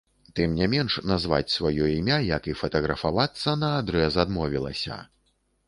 Тым не менш, назваць сваё імя, як і фатаграфавацца, наадрэз адмовілася.